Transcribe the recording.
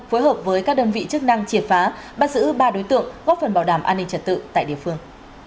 phối hợp với các đơn vị chức năng triệt phá bắt giữ ba đối tượng góp phần bảo đảm an ninh trật tự tại địa phương